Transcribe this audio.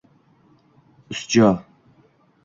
Usjo